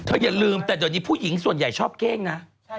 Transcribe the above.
อย่าลืมแต่เดี๋ยวนี้ผู้หญิงส่วนใหญ่ชอบเก้งนะ